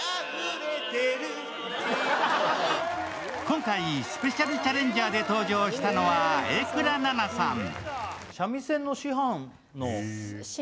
今回、スペシャルチャレンジャーで登場したのは、榮倉奈々さん。